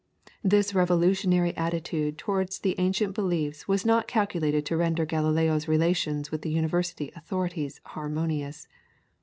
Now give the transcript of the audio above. This revolutionary attitude towards the ancient beliefs was not calculated to render Galileo's relations with the University authorities harmonious.